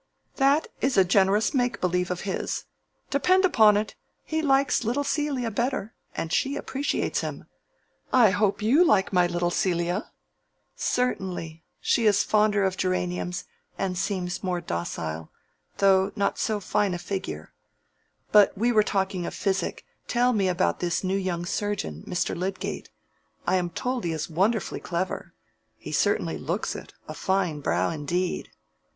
"That is a generous make believe of his. Depend upon it, he likes little Celia better, and she appreciates him. I hope you like my little Celia?" "Certainly; she is fonder of geraniums, and seems more docile, though not so fine a figure. But we were talking of physic. Tell me about this new young surgeon, Mr. Lydgate. I am told he is wonderfully clever: he certainly looks it—a fine brow indeed."